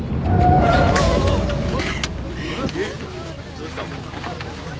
どうした？